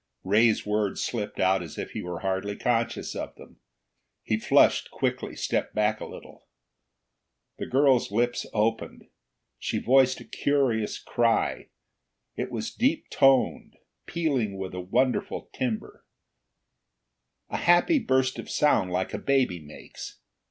Ray's words slipped out as if he were hardly conscious of them. He flushed quickly, stepped back a little. The girl's lips opened. She voiced a curious cry. It was deep toned, pealing with a wonderful timbre. A happy burst of sound, like a baby makes.